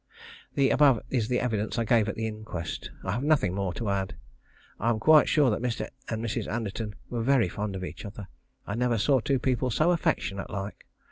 The above is the evidence I gave at the inquest. I have nothing more to add. I am quite sure that Mr. and Mrs. Anderton were very fond of each other. I never saw two people so affectionate like.